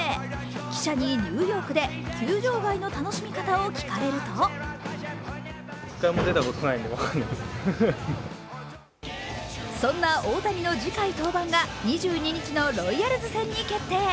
記者にニューヨークで球場外の楽しみ方を聞かれるとそんな大谷の次回登板が２２日のロイヤルズ戦に決定。